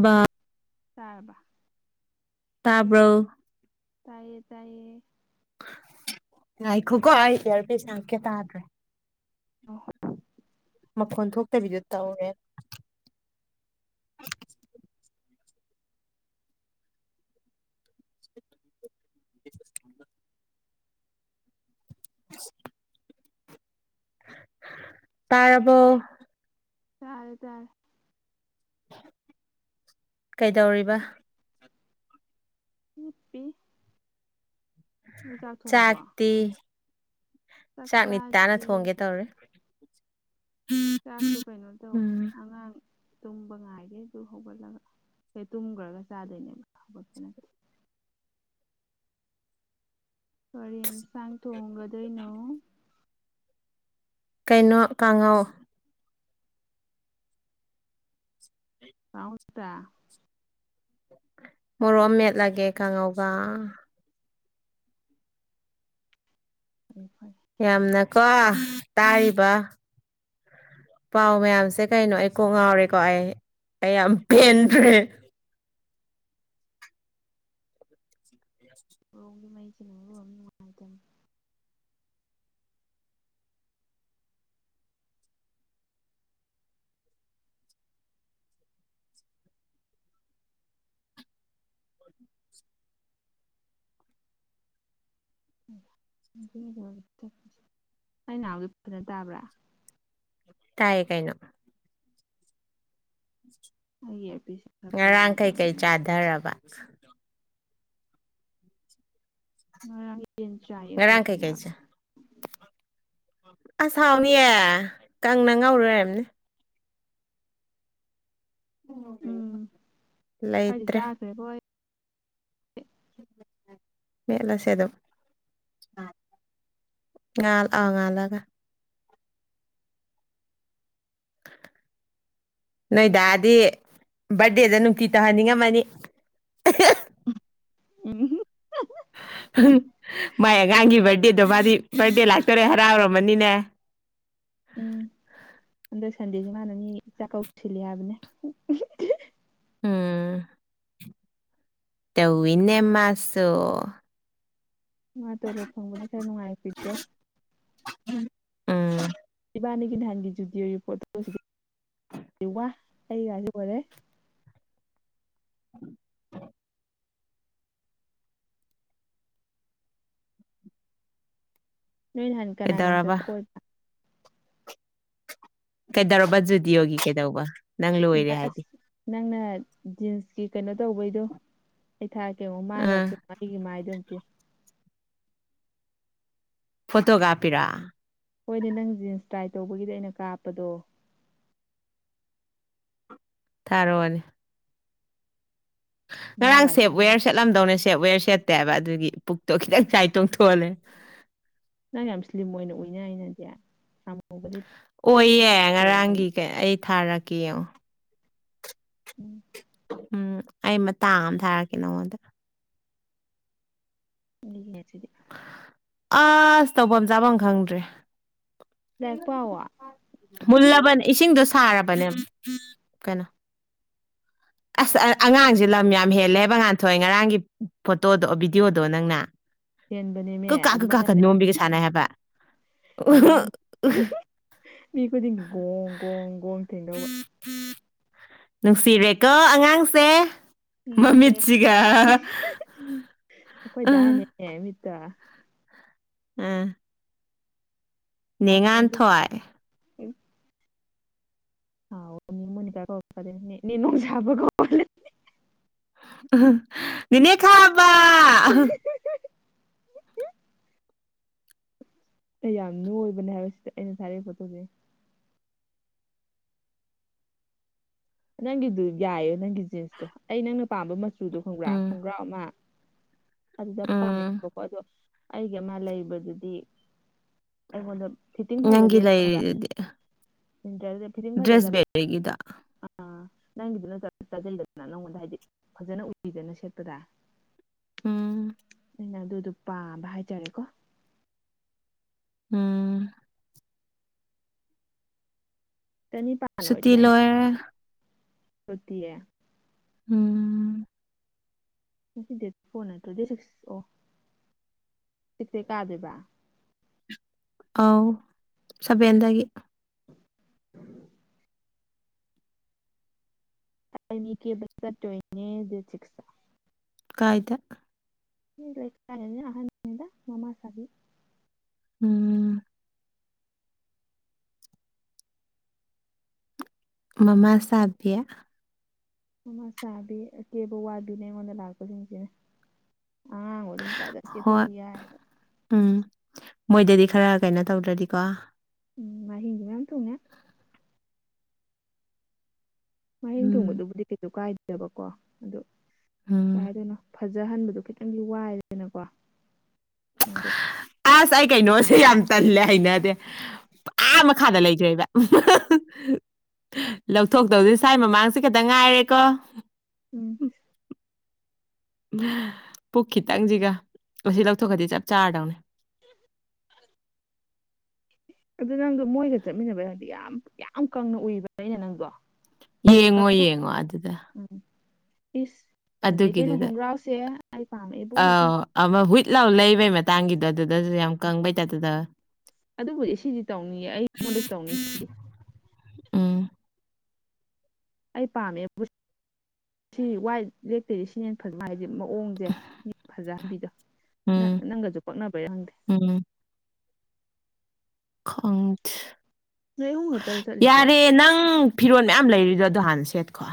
hello ꯇꯥꯔꯕ ꯇꯥꯕ꯭ꯔꯣ ꯇꯥꯏꯌꯦ ꯇꯥꯏꯌꯦ ꯉꯥꯏꯈ‌ꯣ ꯀ‌ꯣ ꯑꯩ ꯏꯌꯔꯄꯤꯁ ꯍꯄꯀ‌ꯦ ꯇꯥꯗ꯭ꯔ‌ꯦ [inaudible] ꯃꯈꯣꯟ ꯊꯣꯛꯇꯕꯤꯗ ꯇꯧꯋꯦ [inaudible] [unintelligible] ꯇꯥꯔꯕꯣ ꯇꯥꯔꯦ ꯇꯥꯔꯦ ꯀꯩꯗꯧꯔꯤꯕ ꯍꯤꯞꯄꯤ ꯅꯣꯏ ꯆꯥꯛ ꯊꯣꯡꯉꯕꯣ ꯆꯥꯛꯇꯤ ꯆꯥꯛ ꯃꯤꯇꯥꯥꯅ ꯊꯣꯡꯒꯦ ꯇꯧꯔꯤ ꯆꯥꯛꯇꯣ ꯀꯩꯅꯣ ꯇꯧꯋꯦ ꯎꯝ ꯑꯉꯥꯡ ꯇꯨꯝꯕ ꯉꯥꯏꯔꯦ ꯑꯗꯨ ꯍꯧꯒꯠꯂꯒ ꯍꯦ ꯇꯨꯝꯒꯔꯒ ꯆꯥꯗꯣꯏꯅꯦꯕ ꯍꯧꯒꯠꯄ ꯅꯠꯇꯦ [inaudible] ꯀꯔꯤ ꯑꯦꯟꯁꯥꯡ ꯊꯣꯡꯒꯗꯣꯏꯅꯣ ꯀꯩꯅꯣ ꯀꯥꯡꯉꯧ ꯇꯥꯎꯠꯗ ꯃꯣꯔꯣꯛ ꯑꯃ ꯃꯦꯠꯂꯒꯦ ꯀꯥꯡꯉꯧꯒ ꯐꯔꯤ ꯐꯔ ꯌꯥꯝꯅꯀꯣ ꯇꯥꯔꯤꯕ ꯄꯥꯎ ꯃꯌꯥꯝꯁꯦ ꯀꯩꯅꯣ ꯑꯩ ꯀꯣꯡ ꯉꯥꯎꯔꯦꯀꯣ ꯑꯩ ꯑꯩ ꯌꯥꯝ ꯄꯦꯟꯗ꯭ꯔꯦ ꯍꯣꯔꯣꯡꯒꯤ ꯃꯩꯁꯤꯅꯦ ꯃꯔꯣꯝꯃꯥ ꯅꯨꯡꯉꯥꯏꯇꯕꯅꯦ ꯑꯩ ꯉꯥꯡꯕꯗꯨ ꯐꯖꯟ ꯇꯥꯕ꯭ꯔꯥ ꯇꯥꯏꯌꯦ ꯀꯩꯅꯣ ꯑꯩꯒꯤ ꯏꯌꯥꯔꯄꯤꯁ ꯈꯔ ꯈꯔ ꯉꯔꯥꯡ ꯀꯩ ꯀꯩ ꯌꯥꯗ꯭ꯔꯕꯅꯦꯕ ꯆꯥꯗꯔꯕ ꯉꯔꯥꯡ ꯌꯦꯟ ꯆꯥꯏꯌꯦ ꯉꯔꯥꯡ ꯀꯣꯏꯂ ꯀꯩꯀꯩ ꯆꯥ ꯑꯁ ꯍꯥꯎꯅꯤꯌꯦ ꯀꯪꯅ ꯉꯧꯔꯨꯑꯣꯝꯔꯝꯅꯦ ꯎꯝ ꯈꯔꯗꯤ ꯂꯩꯇ꯭ꯔꯦ ꯆꯥꯈ꯭ꯔꯦꯕꯣ ꯑꯩ ꯃꯦꯠꯂꯁꯦ ꯑꯗꯨꯝ ꯉꯜ ꯑ ꯉꯥꯂꯒ [inaudible] ꯅꯣꯏꯗꯥꯗꯤ ꯕꯥꯔꯗꯦꯗ ꯅꯨꯡꯇꯤ ꯇꯥꯍꯟꯅꯤꯡꯉꯝꯃꯅꯤ ꯑꯝꯍꯝ ꯃꯥꯏ ꯑꯉꯥꯡꯒꯤ ꯕꯥꯔꯗꯦꯗꯣ ꯃꯥꯗꯤ ꯕꯥꯔꯗꯦ ꯂꯥꯛꯇꯣꯔꯦ ꯍꯔꯥꯎꯔꯝꯃꯅꯤꯅꯦ ꯎꯝ ꯍꯟꯗꯛ ꯁꯟꯗꯦꯗꯤ ꯃꯥꯟꯅ ꯃꯤ ꯆꯥꯛ ꯀꯧ ꯇꯤꯜꯂꯤ ꯍꯥꯏꯕꯅꯦ ꯎꯝ ꯇꯧꯋꯤꯅꯦ ꯃꯥꯁꯨ ꯃꯥ ꯇꯣꯂꯣꯞ ꯐꯪꯕꯗꯩ ꯈꯔ ꯅꯨꯡꯉꯥꯏ ꯄꯤꯇꯣ ꯎꯝ ꯏꯕꯥꯅꯤꯒꯤ ꯅꯍꯥꯟꯒꯤ ꯖꯨꯗꯤꯑꯣꯒꯤ ꯄꯣꯇꯣ ꯑꯁꯤꯗꯤ ꯋꯥ ꯑꯩꯒꯁꯤ ꯑꯣꯏꯔꯦ ꯅꯣꯏ ꯅꯍꯥꯟ ꯀꯅꯥꯅꯥ ꯆꯠꯞ ꯀꯩꯗꯧꯔꯕ ꯑꯣꯏꯕ ꯀꯩꯗꯧꯔꯕ ꯖꯨꯗꯤꯌꯣꯒꯤ ꯀꯩꯗꯧꯕ ꯅꯪ ꯏꯕꯥ ꯂꯣꯏꯔꯦ ꯍꯥꯏꯗꯤ ꯑꯁ ꯅꯪꯅ ꯖꯤꯟꯁꯀꯤ ꯀꯩꯅꯣ ꯇꯧꯕꯩꯗꯣ ꯊꯥꯔꯀꯦ ꯌꯦꯡꯉꯣ ꯃꯥꯏ ꯑꯥ ꯉꯥꯛꯇꯅ ꯑꯩꯒꯤ ꯃꯥꯏꯗꯣ ꯑꯝꯇ ꯌꯦ ꯐꯣꯇꯣꯒꯥꯞꯄꯤꯔꯥ ꯍꯣꯏꯅꯦ ꯅꯪ ꯖꯤꯟꯁ ꯇ꯭ꯔꯥꯏ ꯇꯧꯕꯒꯤꯗ ꯑꯩꯅ ꯀꯥꯞꯄꯗꯣ ꯊꯥꯔꯣꯅꯤ ꯉꯔꯥꯡ ꯃꯥꯏꯒꯥꯁꯤ ꯁꯦꯞ ꯌꯦꯡꯉꯣ ꯋꯦꯌꯔ ꯁꯦꯠꯂꯝꯗꯧꯅꯦ ꯁꯦꯠ ꯋꯦꯌꯔ ꯁꯦꯠꯇꯦ ꯍꯥꯏꯕ ꯑꯗꯨꯒꯤ ꯄꯨꯛꯇꯣ ꯈꯤꯇꯪ ꯆꯔꯥꯏꯇꯣꯡꯊꯣꯛꯍꯜꯂꯦ ꯅꯪ ꯌꯥꯝ ꯁ꯭ꯂꯤꯝ ꯑꯣꯏꯅ ꯎꯏꯅ ꯑꯩꯅꯗꯤ ꯑꯃꯨꯕ ꯑꯣꯏꯌꯦ ꯂꯤꯠꯄꯩꯔ ꯉꯔꯥꯡꯒꯤ ꯀꯩꯅꯣ ꯀꯩ ꯑꯩ ꯊꯥꯔꯛꯀꯦ ꯌꯦꯡꯑꯣ ꯎꯝ ꯎꯝ ꯑꯩ ꯃꯇꯥꯡ ꯑꯃ ꯊꯥꯔꯛꯀꯦ ꯅꯉꯣꯟꯗ ꯅꯤꯅꯦꯠꯁꯤꯠ ꯑꯁ ꯇꯧꯕꯝ ꯆꯥꯕꯝ ꯈꯪꯗ꯭ꯔꯦ ꯂꯥꯏꯔꯤꯛ ꯄꯥꯎꯋꯣ ꯃꯨꯂꯕꯟ ꯏꯁꯤꯡꯗꯨꯁ ꯁꯥꯔꯕꯅꯦꯞ ꯀꯅꯣ ꯑꯁ ꯑꯉꯥꯡꯁꯦ ꯂꯝ ꯌꯥꯝ ꯍꯦꯜꯂꯦ ꯍꯥꯏꯕ ꯉꯥꯟꯊꯣꯏ ꯉꯔꯥꯡꯒꯤ ꯐꯣꯇꯣꯗꯣ ꯚꯤꯗꯤꯑꯣꯗꯣ ꯅꯪꯅ ꯍꯦꯟꯕꯅꯦꯃꯦ ꯀꯛ ꯀꯥꯛ ꯀꯛ ꯀꯥꯛꯀ ꯑꯗꯨꯃꯥꯏꯅ ꯅꯣꯝꯕꯤꯒ ꯁꯥꯟꯅꯩ ꯍꯥꯏꯕ ꯑꯗꯨꯃꯥꯏꯅ ꯑꯥ [inaudible] ꯃꯤ ꯈꯨꯗꯤꯡꯒꯤ ꯒꯣꯡ ꯒꯣꯡ ꯒꯣꯡ ꯊꯦꯡꯗꯧꯕ ꯅꯨꯡꯁꯤꯔꯦꯀꯣ ꯑꯉꯥꯡꯁꯦ ꯎꯝ ꯃꯃꯤꯠꯁꯤꯒ ꯑꯈꯣꯏ ꯗꯥꯅꯦ ꯎꯝ [inaudible] ꯎꯝ ꯅꯥꯇꯣꯟꯁꯨ ꯅꯦꯉꯥꯟꯊꯣꯏ ꯍꯥꯎ ꯅꯦ ꯃꯣꯅꯤꯀꯥ ꯀꯧꯔꯛꯀꯅꯨ ꯅꯦ ꯅꯣꯡꯁꯥꯕ ꯀꯧꯔꯛꯑꯣ ꯑꯗꯨꯗꯤ ꯑ ꯅꯦꯅꯦ ꯈꯕ ꯑꯩ ꯌꯥꯝꯅ ꯅꯣꯏꯕꯅꯦ ꯍꯥꯏꯕꯁꯤꯗ ꯑꯩꯅ ꯊꯥꯔꯛꯏ ꯐꯣꯇꯣꯁꯤ ꯅꯪꯒꯤꯗꯨ ꯌꯥꯏꯌꯦ ꯅꯪꯒꯤ ꯖꯤꯟꯁꯇꯣ ꯑꯩ ꯅꯪꯅ ꯄꯥꯝꯕ ꯃꯆꯨꯗꯣ ꯈꯣꯡꯕ꯭ꯔꯥ ꯎꯝ ꯈꯣꯡꯒ꯭ꯔꯥꯎ ꯑꯃ ꯑꯗꯨꯗ ꯎꯝ ꯄꯥꯝꯃꯦꯕꯀꯣ ꯑꯗꯣ ꯑꯩꯒꯤ ꯑꯃ ꯂꯩꯕꯗꯨꯗꯤ ꯑꯩꯉꯣꯟꯗ ꯐꯤꯠꯇꯤꯡ ꯅꯪꯒꯤ ꯐꯖꯗꯦ ꯈꯪꯕ꯭ꯔꯥ ꯂꯩꯔꯤꯗꯨꯗꯤ ꯐꯤꯠꯇꯤꯡ ꯗ꯭ꯔꯦꯁ ꯐꯖꯗꯕ ꯕꯦꯔꯤꯒꯤꯗꯣ ꯑꯥ ꯅꯪꯒꯤꯗꯨꯅ ꯆꯥꯞ ꯆꯥꯖꯩꯗꯅ ꯅꯪꯉꯣꯟꯗ ꯍꯥꯏꯗꯤ ꯐꯖꯅ ꯎꯏꯗꯅ ꯁꯦꯠꯄꯗ ꯎꯝ ꯑꯗꯨꯅ ꯑꯗꯨꯗꯣ ꯄꯥꯝꯕ ꯍꯥꯏꯇꯥꯔꯦꯀꯣ ꯎꯝ ꯆꯅꯤꯄꯥꯟ ꯁꯨꯇꯤ ꯂꯣꯏꯔꯦ ꯁꯨꯇꯤ ꯎꯝ ꯉꯁꯤ ꯗꯦꯠ ꯐꯣꯔ ꯅꯠꯇ꯭ꯔꯣ ꯗꯦ ꯁꯤꯛꯁ ꯑꯣ ꯁꯤꯛꯁꯇꯦ ꯀꯥꯗꯣꯏꯕ ꯑꯣ ꯁꯥꯕꯦꯟꯗꯒꯤ ꯑꯩ ꯃꯤ ꯀꯦꯕꯥ ꯆꯠꯇꯧꯔꯤꯅꯦ ꯗꯦꯠ ꯁꯤꯛꯁꯇꯥ ꯀꯥꯏꯗ ꯑꯈꯣꯏ ꯂꯩꯀꯥꯏꯅꯤꯗ ꯑꯍꯟꯅꯤꯗ ꯃꯃꯥ ꯁꯕꯤ ꯎꯝ ꯃꯃꯥꯁꯕꯤ ꯃꯃꯥꯁꯕꯤ ꯑꯀꯦꯕ ꯋꯥꯕꯤꯅꯦ ꯑꯩꯉꯣꯟꯗ ꯂꯥꯛꯄꯁꯤꯡꯁꯦ ꯍꯣꯏ ꯎꯝ ꯃꯣꯏꯗꯗꯤ ꯈꯔ ꯀꯩꯅꯣ ꯇꯧꯗ꯭ꯔꯗꯤꯀꯣ ꯎꯝ ꯃꯍꯤꯡꯁ ꯃꯌꯥꯝ ꯊꯨꯡꯉꯦ ꯃꯍꯤꯡ ꯎꯝ ꯊꯨꯡꯕꯗꯨꯕꯨꯗꯤ ꯀꯩꯁꯨ ꯀꯥꯏꯗꯕꯀꯣ ꯑꯗꯨ ꯎꯝ ꯀꯩꯍꯥꯏꯗꯧꯔꯤꯅꯣ ꯐꯖꯍꯟꯕꯗꯣ ꯈꯤꯇꯪꯗꯤ ꯋꯥꯏꯗꯥꯅꯀꯣ ꯃꯣꯏꯗ ꯑꯁ ꯑꯩ ꯀꯩꯅꯣꯁꯦ ꯌꯥꯝ ꯇꯜꯂꯦ ꯍꯩꯅꯗꯦ ꯑꯥ ꯃꯈꯥꯗ ꯂꯩꯈꯔꯦꯕ ꯂꯧꯊꯣꯛꯇꯧꯗꯤ ꯁꯨꯋꯥꯏ ꯃꯃꯥꯡꯁꯦ ꯈꯛꯇ ꯉꯥꯏꯔꯦꯀꯣ ꯎꯝ ꯄꯨꯛ ꯈꯤꯇꯪꯁꯤꯒ ꯑꯁꯤ ꯂꯧꯊꯣꯛꯈꯔꯗꯤ ꯆꯞ ꯆꯥꯔꯗꯧꯅꯤ [inaudible] ꯑꯗꯨ ꯅꯪꯗꯣ ꯃꯣꯏꯒ ꯆꯠꯃꯤꯟꯅꯕꯩ ꯍꯥꯏꯔꯗꯤ ꯌꯥꯝ ꯌꯥꯝ ꯀꯪꯅ ꯎꯏꯕ ꯑꯩꯅ ꯅꯪꯗꯣ ꯌꯦꯡꯉꯣ ꯌꯦꯡꯉꯣ ꯑꯗꯨꯗ ꯎꯝ ꯏꯁ ꯐꯖꯩ ꯀꯩꯅꯣ ꯑꯗꯨꯒꯤꯗꯨꯗ ꯈꯣꯡꯒ꯭ꯔꯥꯎꯁꯦ ꯑꯩ ꯄꯥꯝꯃꯛꯑꯦꯕꯣ ꯑꯥꯎ ꯃꯊꯪ [inaudible] ꯂꯩꯕꯩ ꯃꯇꯥꯡꯒꯤꯗꯣ ꯑꯗꯨꯗꯁꯨ ꯌꯥꯝ ꯀꯪꯕꯩ ꯇꯥꯏꯄꯇꯥ ꯇꯧꯏ ꯑꯗꯨꯕꯨꯗꯤ ꯁꯤꯗꯤ ꯇꯧꯅꯤꯡꯌꯦ ꯑꯩꯉꯣꯟꯗꯁꯨ ꯇꯧꯅꯤ ꯁꯤꯗꯤ ꯎꯝ ꯑꯩ ꯄꯥꯝꯃꯦ ꯁꯤ ꯋꯥꯏꯠ ꯂꯦꯛꯇꯣꯏꯗꯤ ꯁꯤꯅꯦꯅ ꯐꯖꯅ ꯍꯥꯏꯗꯤ ꯑꯣꯡꯁꯦ ꯐꯖꯍꯟꯕꯤꯗꯣ ꯅꯪ ꯎꯝ ꯅꯪꯒꯁꯨ ꯄꯛꯅꯕꯩꯔꯥ ꯈꯪꯗꯦ ꯪ ꯈꯪꯗꯦ ꯅꯣꯏ ꯑꯍꯨꯝ ꯈꯛꯇꯔꯣ ꯆꯠꯂꯤꯁꯦ ꯌꯥꯔꯦ ꯅꯪ ꯐꯤꯔꯣꯜ ꯃꯌꯥꯝ ꯂꯩꯔꯤꯗ ꯑꯗꯨꯣ ꯍꯥꯟꯅ ꯁꯦꯠꯀꯣ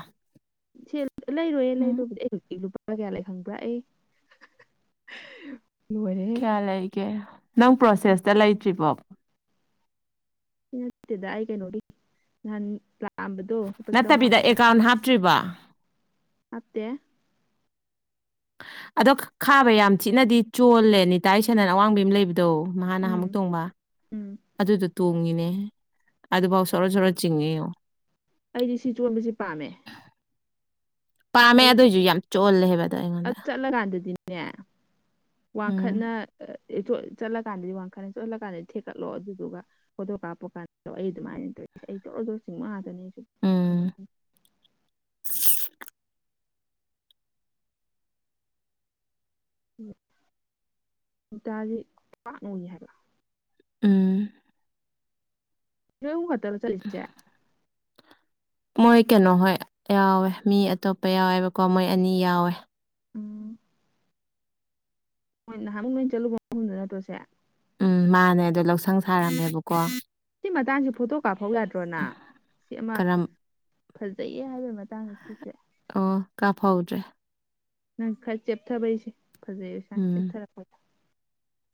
ꯂꯩꯔꯣꯏꯌꯦ ꯂꯩꯔꯨꯕꯨꯗꯤ ꯑꯩ ꯀꯌꯥ ꯂꯩ ꯈꯪꯕ꯭ꯔꯥ ꯑꯩ ꯂꯣꯏꯔꯦꯍꯦ ꯀꯌꯥ ꯂꯩꯒꯦ ꯅꯪ ꯂꯨꯄꯥ ꯆꯥꯝꯃꯉꯥ ꯄ꯭ꯔꯣꯁꯦꯁꯇ ꯂꯩꯇ꯭ꯔꯤꯕꯣ ꯅꯠꯇꯦꯗ ꯑꯩ ꯀꯩꯅꯣꯔꯤ ꯅꯍꯥꯟ ꯂꯥꯛꯑꯝꯕ ꯅꯠꯇꯕꯤꯗ ꯑꯦꯀꯥꯎꯟ ꯍꯥꯞꯇ꯭ꯔꯤꯕ ꯅꯦ ꯑꯗꯣ ꯈꯥꯕ ꯌꯥꯝ ꯊꯤꯅꯗꯤ ꯆꯣꯜꯂꯦ ꯇꯥꯏꯔꯤ ꯁꯅꯅ ꯑꯋꯥꯡꯕꯤ ꯑꯃ ꯂꯩꯕꯗ ꯇꯗꯣ ꯅꯍꯥꯟ ꯅꯍ ꯑꯃꯨꯛ ꯎꯝ ꯇꯣꯡꯕ ꯎꯝ ꯑꯗꯨꯗꯨ ꯇꯣꯡꯉꯤꯅꯦ ꯑꯗꯨꯐꯥꯎ ꯁꯣꯔ ꯁꯣꯔ ꯆꯤꯡꯉꯤꯣ ꯑꯩꯗꯤ ꯁꯤ ꯆꯣꯟꯕꯁꯤꯦ ꯄꯥꯝꯃꯦ ꯄꯥꯝꯃꯦ ꯑꯗꯨꯏꯁꯨ ꯌꯥꯝ ꯆꯣꯜꯂꯦ ꯍꯥꯏꯕ ꯑꯗꯣ ꯑ ꯑꯩꯉꯣꯟꯗ ꯆꯠꯂꯀꯥꯟꯗꯗꯤꯅꯦ ꯎꯝ ꯋꯥꯡꯈꯠꯅ ꯠ ꯆꯠꯂ ꯀꯀꯥꯟꯗꯗꯤ ꯋꯥꯡꯈꯠ ꯆꯣꯠꯜꯂ ꯀꯥꯟꯗꯗꯤ ꯊꯦꯛꯀꯠꯂꯣ ꯑꯗꯨꯗꯨꯒ ꯐꯣꯇꯣ ꯀꯥꯞꯄ ꯀꯥꯟꯗ ꯑꯩ ꯑꯗꯨꯃꯥꯏꯅ ꯇꯧ ꯑꯩ ꯇꯧ ꯇ ꯆꯤꯡꯃꯥꯗꯅꯦ ꯑꯩꯁꯨ ꯎꯝ ꯀꯩꯅꯣ ꯇꯗꯤ ꯀꯏ ꯍꯥꯏꯕ ꯎꯝ ꯌꯨ ꯇꯔ ꯆꯂꯤꯁꯦ ꯃꯣꯏ ꯀꯩꯅꯣ ꯍꯣꯏ ꯌꯥꯎꯋꯦ ꯃꯤ ꯑꯇꯣꯞꯄ ꯌꯥꯎꯋꯦꯕꯀꯣ ꯃꯣꯏ ꯑꯅꯤ ꯌꯥꯎꯋꯦ ꯎꯝ ꯃꯣꯏ ꯅꯍꯥꯟꯨꯛ ꯅꯣꯏ ꯆꯠꯂꯨꯕ ꯃꯐꯝꯗꯨ ꯅꯠꯇ꯭ꯔꯁꯦ ꯎꯝ ꯃꯥꯅꯦ ꯑꯗꯣ ꯂꯧꯁꯪ ꯁꯥꯔꯝꯃꯦꯕꯀꯣ ꯁꯤ ꯃꯇꯥꯡꯁꯤ ꯐꯣꯇꯣ ꯀꯥꯞꯐꯧ ꯌꯥꯗ꯭ꯔꯣꯅ ꯁꯤ ꯑꯃ ꯀꯔꯝ ꯐꯖꯩꯌꯦ ꯍꯥꯏꯕ ꯗꯥꯡꯁꯤꯁꯨꯦ ꯑꯣ ꯀꯥ ꯐꯥꯎꯗ꯭ꯔꯦ ꯅꯪ ꯈꯔ ꯆꯦꯞꯊꯕꯩꯁꯦ ꯐꯖꯩ ꯏꯁꯁꯥ ꯎꯝ ꯆꯦꯞꯊꯔꯛꯄꯗ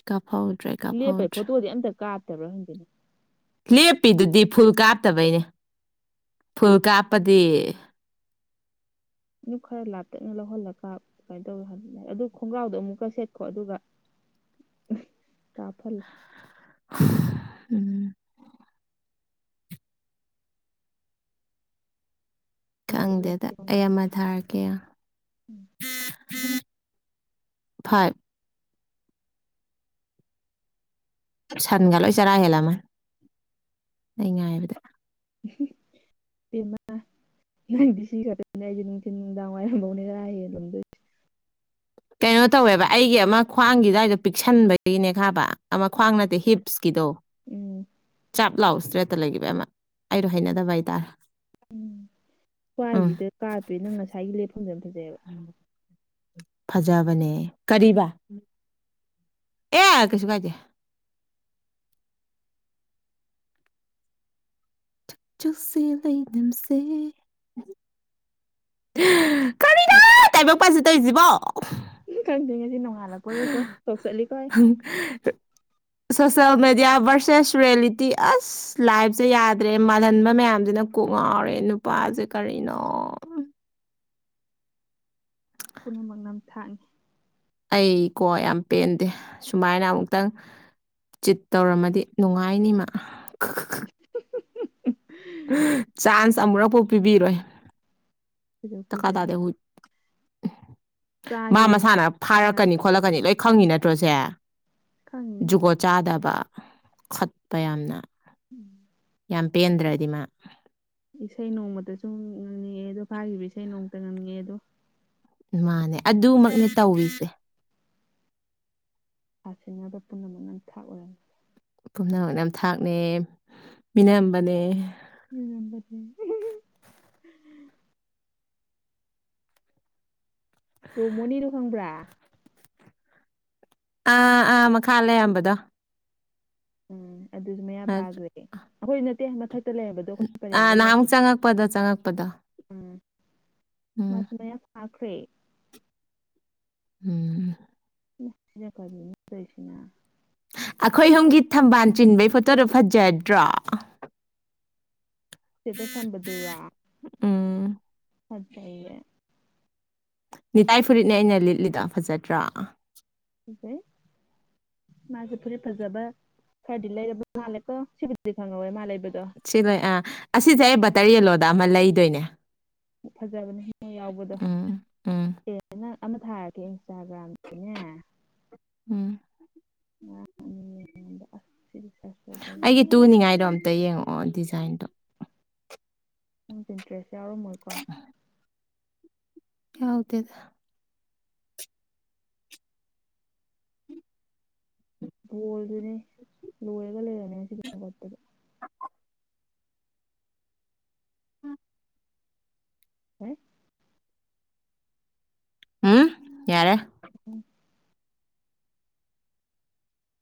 ꯀꯥꯞꯍꯧꯗ꯭ꯔꯦ ꯂꯦꯞꯄꯩ ꯀꯥꯞꯍꯧꯗ꯭ꯔꯦ ꯐꯣꯇꯣꯗꯤ ꯑꯝꯇ ꯀꯥꯞꯇꯕ꯭ꯔꯥ ꯍꯪꯖꯤꯤꯅꯦ ꯂꯦꯞꯄꯤꯗꯨꯗꯤ ꯐꯨꯜ ꯀꯥꯞꯇꯕꯩꯅꯦ ꯐꯨꯜ ꯀꯥꯞꯄꯗꯤ ꯏ ꯈꯔ ꯂꯥꯞꯇꯛꯅ ꯂꯧꯍꯜꯂꯒ ꯀꯃꯥꯏꯅ ꯇꯧꯔ ꯑꯗꯨ ꯈꯣꯡꯒ꯭ꯔꯥꯎꯗꯣ ꯑꯃꯨꯛꯀ ꯁꯦꯠꯈꯣ ꯑꯗꯨꯒ ꯇꯥꯐꯂ ꯎꯝ ꯈꯪꯗꯦꯗ ꯐꯖꯩꯕꯁꯦ ꯑꯩ ꯑꯃ ꯊꯥꯔꯛꯀꯦ ꯐꯥꯏꯚ ꯁꯟꯒ ꯂꯣꯏ ꯆꯔꯥ ꯍꯦꯜꯂꯝꯃ ꯑ ꯉꯥꯏꯕꯗ ꯃ ꯅꯪꯗꯤ ꯁꯤ ꯈꯛꯇꯅꯦ ꯑꯩꯁꯦ ꯅꯨꯡꯊꯤꯤꯟ ꯅꯨꯡꯗꯥꯡ ꯋꯥꯏꯔꯝꯐꯧꯅꯦ ꯈꯔ ꯍꯦ ꯂꯨꯝꯗꯣꯏꯁꯦ ꯀꯩꯅꯣ ꯇꯧꯋꯦꯕ ꯑꯩꯒꯤ ꯑꯃ ꯈ꯭ꯋꯥꯡꯒꯤ ꯑꯗꯨꯋꯥꯏꯗꯣ ꯄꯤꯛꯁꯟꯕꯒꯤꯅꯦ ꯈꯕ ꯑꯃ ꯈ꯭ꯋꯥꯡ ꯅꯠꯇꯦ ꯍꯤꯞꯁ ꯀꯤꯗꯣ ꯎꯝ ꯆꯞ ꯂꯥꯛꯑꯣ ꯏꯁꯇ꯭ꯔꯦꯠꯇ ꯂꯩꯈꯤꯕ ꯑꯃ ꯑꯩꯗꯣ ꯍꯩꯅꯗꯕ ꯍꯥꯏꯇꯥꯔꯦ ꯎꯝ ꯎꯝ ꯈ꯭ꯋꯥꯏꯁꯤꯗ ꯀꯥꯄꯦ ꯅꯪ ꯉꯁꯥꯏꯒꯤ ꯂꯦꯞꯐꯝꯖꯅ ꯐꯖꯩꯑꯕ ꯐꯖꯕꯅꯦ ꯀꯔꯤꯕ ꯑꯦ ꯀꯁꯨ ꯄꯖꯦ ꯆꯨꯁꯦ ꯂꯩ ꯝꯁꯦ ꯀꯔꯤꯅꯣ ꯇꯥꯏꯕꯛꯄꯁꯤ ꯇꯧꯔꯤꯁꯤꯕꯣ ꯅꯣꯡꯉꯥꯏꯂꯄꯣꯒ ꯀꯣ ꯆꯣꯛ ꯆꯠꯂꯤ ꯀꯥꯏ ꯁꯣꯁꯦꯜ ꯃꯦꯗꯤꯌꯥ ꯚꯔꯁꯦꯁ ꯔꯤꯌꯦꯂꯤꯇꯤ ꯑꯁ ꯂꯥꯏꯞꯁꯦ ꯌꯥꯗ꯭ꯔꯦ ꯃꯥꯜꯍꯟꯕ ꯃꯌꯥꯝꯁꯤꯅ ꯀꯣꯛꯅ ꯑꯦꯅꯄꯄꯥ ꯑꯖꯤ ꯀꯥꯔꯤ ꯅ ꯄꯨꯝꯅꯃꯛ ꯅꯝꯊꯥꯛꯅꯤ ꯑꯩꯀꯣ ꯌꯥꯝ ꯄꯦꯟꯗꯦ ꯁꯨꯃꯥꯏꯅ ꯑꯃꯨꯛꯇꯪ ꯆꯤꯠ ꯇꯧꯔꯝꯃꯗꯤ ꯅꯨꯡꯉꯥꯏꯅꯤꯃ ꯆꯥꯟꯁ ꯑꯃꯨꯔꯛꯄꯨ ꯄꯤꯕꯤꯔꯣꯏ ꯔꯣ ꯗꯀꯥ ꯄꯗꯕ ꯇꯥꯗꯦ ꯍꯨꯏ ꯃꯥ ꯃꯁꯥꯅ ꯐꯥꯔꯛꯀꯅꯤ ꯈꯣꯠꯂꯛꯀꯅꯤ ꯂꯣꯏ ꯈꯪꯉꯤ ꯅꯠꯇ꯭ꯔꯣꯁꯦ ꯈꯪꯉꯤꯅꯦ ꯖꯨꯒꯣꯠ ꯆꯥꯗꯕ ꯈꯠꯄ ꯌꯥꯝꯅ ꯎꯝ ꯌꯥꯝ ꯄꯦꯟꯗ꯭ꯔꯗꯤ ꯃꯥ ꯏꯁꯩ ꯅꯣꯡꯃꯇ ꯁꯨꯝ ꯉꯪꯅꯤꯡꯛꯑꯦ ꯑꯗꯣ ꯐꯥꯈꯤꯕ ꯏꯁꯩ ꯅꯣꯡꯃꯇ ꯉꯪꯅꯤꯡꯛꯑꯦ ꯑꯗꯣ ꯃꯥꯅꯦ ꯑꯗꯨꯃꯛꯅꯦ ꯇꯧꯔꯤꯁꯦ ꯁꯥ ꯁꯦꯟꯅꯕ ꯄꯨꯝꯅꯃꯛꯅꯝ ꯊꯥꯛ ꯑꯣꯏꯔꯝꯃꯤ ꯄꯨꯝꯅꯃꯛ ꯌꯥꯝ ꯊꯥꯛꯅꯦ ꯃꯤꯅꯔꯝꯕꯅꯦ ꯎ ꯅꯝꯕꯔ ꯔꯣꯃꯣꯅꯤ ꯔꯨꯍꯪꯕ꯭ꯔꯥ ꯑꯥ ꯑꯥ ꯃꯈꯥ ꯂꯩꯌꯥꯝꯕꯗꯣ ꯎꯝ ꯑꯗꯨꯁꯨ ꯃꯌꯥ ꯐꯥꯈ꯭ꯔꯦ ꯑꯩꯈꯣꯏꯁꯨ ꯅꯠꯇꯦ ꯃꯊꯛ ꯑ ꯅꯪ ꯆꯉꯛ ꯄꯥꯗ ꯆꯉ ꯎꯝ ꯎꯝ ꯃꯇꯝ ꯃꯌꯥꯝ ꯐꯥꯈ꯭ꯔꯦ ꯎꯝ ꯁꯤꯖ ꯇꯁꯤꯅ ꯑꯩꯈꯣꯏ ꯑꯣꯨꯝꯒꯤ ꯊꯝꯕꯥꯜ ꯆꯤꯟꯕꯒꯤ ꯐꯣꯇꯣꯗꯨꯣ ꯐꯖꯗ꯭ꯔꯣ ꯆꯗꯁꯝꯕꯗꯨꯔꯥ ꯎꯝ ꯑꯆꯦ ꯅꯤꯇꯥꯏ ꯐꯨꯔꯤꯠꯅꯦ ꯑꯩꯅ ꯂꯤꯠꯂꯤꯗ ꯐꯖꯗ꯭ꯔꯥ ꯎꯦ ꯃꯥꯁꯦ ꯐꯨꯔꯤ ꯐꯖꯕ ꯈꯔꯗꯤ ꯂꯩꯔꯕ ꯃꯥꯜꯂꯦꯀꯣ ꯁꯤꯕꯨꯗꯤ ꯈꯪꯍꯧꯋꯦ ꯃꯥ ꯂꯩꯕ ꯁꯤꯗꯣꯏ ꯑꯥ ꯑꯁꯤꯁꯦ ꯑꯩ ꯕꯇꯔ ꯌꯦꯂꯣꯗ ꯑꯃ ꯂꯩꯗꯣꯏꯅꯦ ꯐꯖꯕꯅꯦ ꯍꯉꯣ ꯌꯥꯎꯕꯗꯣ ꯎꯝ ꯎꯝ ꯍꯦꯅ ꯑꯃ ꯊꯥꯔꯛꯀꯦ ꯏꯟꯁꯇꯥꯒ꯭ꯔꯥꯝꯗꯨꯅꯦ ꯎꯝ ꯑ ꯎꯝ ꯑꯩꯒꯤ ꯇꯨꯅꯤꯡꯉꯥꯏꯗꯣ ꯑꯝꯇ ꯌꯦꯡꯉꯛꯑꯣ ꯗꯤꯖꯥꯏꯟꯗꯣ ꯅꯁ ꯏꯟꯇꯔꯦꯁ ꯌꯥꯎꯔꯝꯃꯣꯏꯀꯣ ꯌꯥꯎꯗꯗ ꯣꯜꯗꯨꯅꯦ ꯂꯣꯏꯔꯒ ꯂꯩꯔꯅꯦ ꯁꯤꯗ ꯈꯣꯠꯇꯗ ꯎꯝ ꯍꯥ ꯎꯝ ꯌꯥꯔꯦ ꯎꯝ